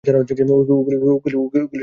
উকিলের সঙ্গে দেখা করব।